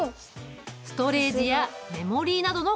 ストレージやメモリなどのことだ。